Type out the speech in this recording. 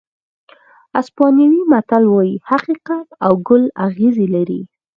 اسپانوي متل وایي حقیقت او ګل اغزي لري.